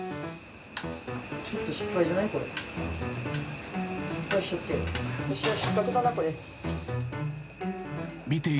ちょっと失敗じゃない？